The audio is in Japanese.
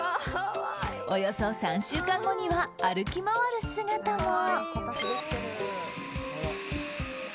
およそ３週間後には歩き回る姿も。